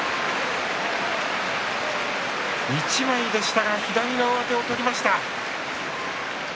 １枚でしたが左の上手を取りました。